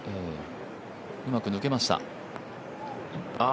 うまく抜けました。